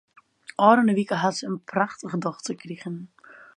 Ofrûne wike hat se in prachtige dochter krigen.